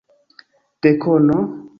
Dekono?